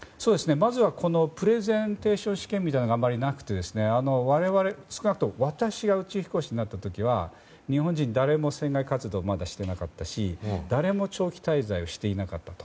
まずはプレゼンテーション試験があまりなくて我々、少なくとも私が宇宙飛行士になった時は日本人、誰も船外活動をしていなかったし誰も長期滞在していなかったと。